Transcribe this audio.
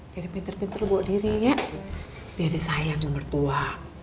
jadi pinter pinter lo bawa diri ya biar dia sayang ya mertua